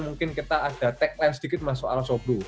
mungkin kita ada tagline sedikit mas soal sobro